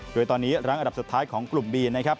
โดยตอนนี้รั้งอันดับสุดท้ายของกลุ่มบีนะครับ